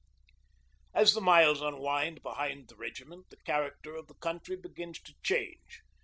As the miles unwind behind the regiment the character of the country begins to change.